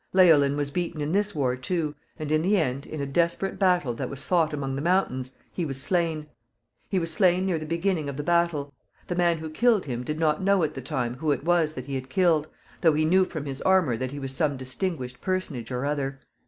Leolin was beaten in this war too, and in the end, in a desperate battle that was fought among the mountains, he was slain. He was slain near the beginning of the battle. The man who killed him did not know at the time who it was that he had killed, though he knew from his armor that he was some distinguished personage or other.